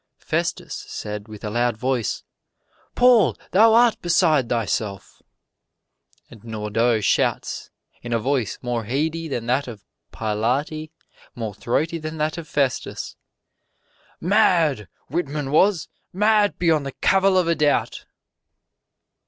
Festus said with a loud voice, "Paul, thou art beside thyself." And Nordau shouts in a voice more heady than that of Pilate, more throaty than that of Festus, "Mad Whitman was mad beyond the cavil of a doubt!"